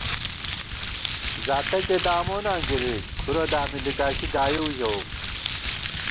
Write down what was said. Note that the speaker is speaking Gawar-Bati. زاتَکےداموناں گِری ، کھُرہ دامی لِکاشی گائیؤ ژَوُم